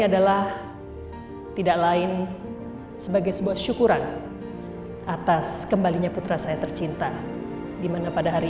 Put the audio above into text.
adalah tidak lain sebagai sebuah syukuran atas kembalinya putra saya tercinta dimana pada hari